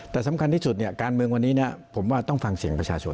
แต่สำคัญที่สุดเนี่ยการเมืองวันนี้ผมว่าต้องฟังเสียงประชาชน